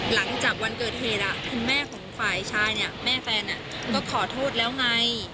หลังจากวันเกิดเหตุคุณแม่ของฝ่ายชายเนี่ยแม่แฟนก็ขอโทษแล้วไง